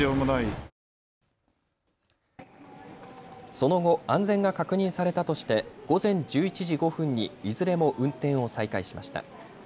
その後、安全が確認されたとして午前１１時５分にいずれも運転を再開しました。